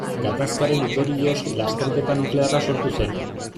Gatazkaren ondorioz lasterketa nuklearra sortu zen.